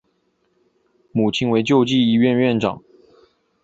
母亲为救济医院院长。